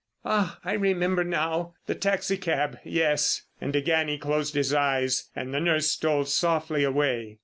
"Ah! I remember now! The taxi cab. Yes!" And again he closed his eyes, and the nurse stole softly away.